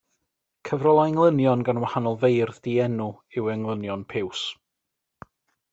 Cyfrol o englynion gan wahanol feirdd dienw yw Englynion Piws.